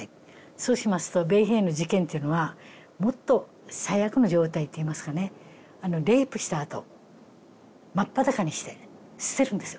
そうしますと米兵の事件というのはもっと最悪の状態っていいますかねあのレイプしたあと真っ裸にして捨てるんですよ